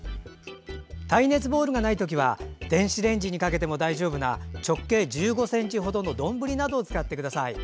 耐熱ボウルがない時は電子レンジにかけても大丈夫な直径１５ｃｍほどの丼などを使ってください。